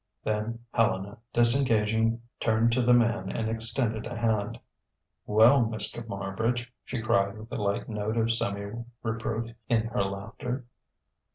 Then Helena, disengaging turned to the man and extended a hand. "Well, Mr. Marbridge!..." she cried with a light note of semi reproof in her laughter.